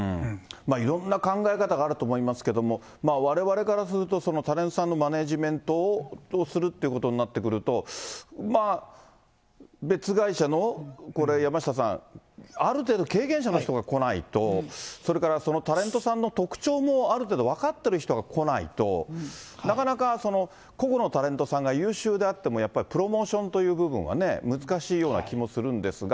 いろんな考え方があると思いますけども、われわれからすると、タレントさんのマネージメントをするということになってくると、まあ、別会社の、これ、山下さん、ある程度経験者の方が来ないと、それからそのタレントさんの特徴も、ある程度分かってる人が来ないと、なかなか個々のタレントさんが優秀であってもやっぱりプロモーションという部分はね、難しいような気もするんですが。